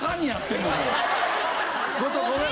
後藤ごめん。